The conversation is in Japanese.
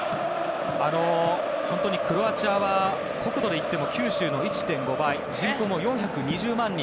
クロアチアは国土でいっても九州の１．５倍人口も４２０万人。